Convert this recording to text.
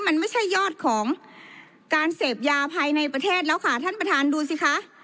มันไม่ใช่ยอดของการเสพยาภายในประเทศแล้วค่ะท่านประธานดูสิคะ